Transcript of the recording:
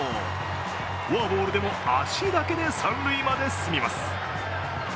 フォアボールでも足だけで三塁まで進みます。